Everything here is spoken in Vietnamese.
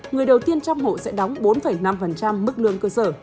người đầu tiên trong hộ sẽ đóng bốn năm mức lương cơ sở